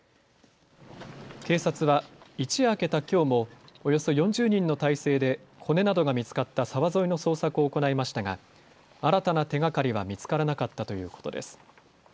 警察は一夜明けたきょうもおよそ４０人の態勢で骨などが見つかった沢沿いの捜索を行いましたが新たな手がかりは見つからなかったということです。